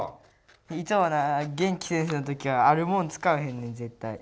いつもな元気先生のときはあるもんつかわへんねんぜったい。